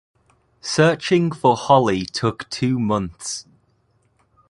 Searching for Holly took two months.